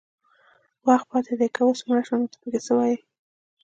وخت پاتې دی که اوس مړه شو نو ته څه پکې وایې